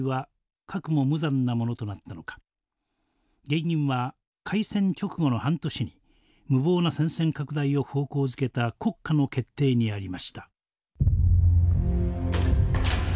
原因は開戦直後の半年に無謀な戦線拡大を方向づけた国家の決定にありました。